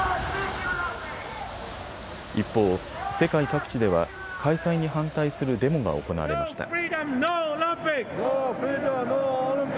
一方、世界各地では開催に反対するデモが行われました。